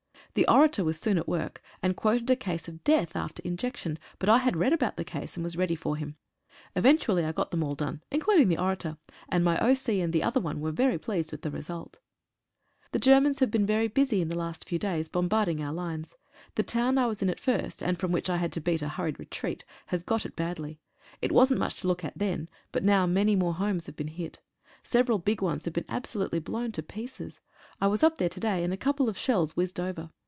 The orator was soon at work, and quoted a case of death after injection, but I had read about that case, and was ready for him. Eventually I got them all done, including the orator, and my O.C. and the other one were very pleased with the result. The Germans have been very busy the last few days, bombarding our lines. The town I was in at first, and from which I had to beat a hurried retreat, has got it badly. It wasn't much to look at then, but now many more homes have been hit. Several big ones have been absolutely blown to pieces. I was up there to day, and a couple of shells whizzed over.